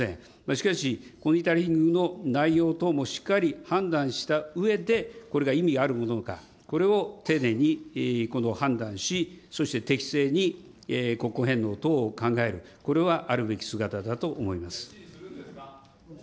しかし、モニタリングの内容等もしっかり判断したうえで、これが意味あるものか、これを丁寧に判断し、そして適正に国庫返納等を考える、これはあるべき姿だと思います。